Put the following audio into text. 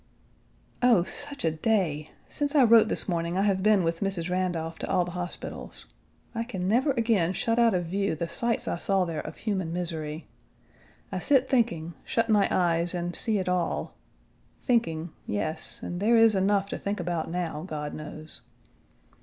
Oh, such a day! Since I wrote this morning, I have been with Mrs. Randolph to all the hospitals. I can never again shut out of view the sights I saw there of human misery. I sit thinking, shut my eyes, and see it all; thinking, yes, and there is enough to think about now, God knows.